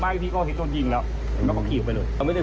มาทีก็ออกมาเห็นตัวยิงแล้วแล้วก็ขี่ดไปเลย